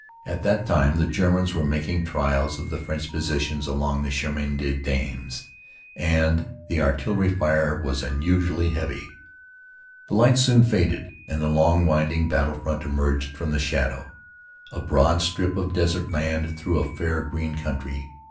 At that time the Germans were making trials of the French positions along the Chemin des Dames, and the artillery fire was unusually heavy. The lights soon faded and the long, winding battle front emerged from the shadow, a broad strip of desert land through a fair, green country.